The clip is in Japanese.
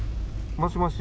もしもし。